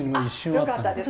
よかったです。